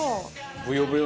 ぶよぶよ